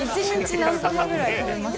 ４か５ぐらい食べます。